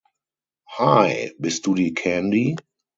Hi, bist du die Candy?